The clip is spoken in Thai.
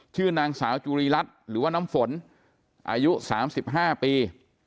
ชื่อนางสาวจุรีรัฐหรือว่าน้ำฝนอายุ๓๕ปี